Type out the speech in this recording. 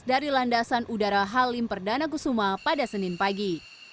dari landasan udara halim perdana kusuma pada senin pagi